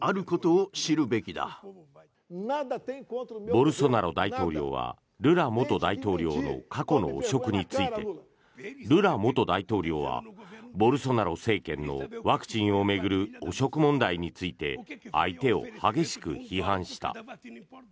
ボルソナロ大統領はルラ元大統領の過去の汚職についてルラ元大統領はボルソナロ政権のワクチンを巡る汚職問題について相手を激しく批判した。